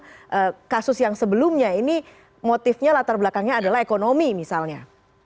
tapi kalau kita bicara kasus yang sebelumnya ini motifnya latar belakangnya adalah ekonomi misalnya